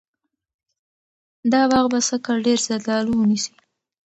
دا باغ به سږکال ډېر زردالو ونیسي.